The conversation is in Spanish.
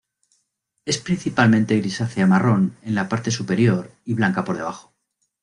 Es principalmente grisácea marrón en la parte superior y blanca por debajo.